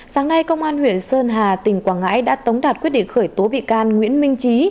sáng nay công an huyện sơn hà tỉnh quảng ngãi đã tống đạt quyết định khởi tố bị can nguyễn minh trí